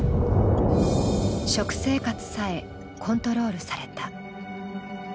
食生活さえコントロールされた。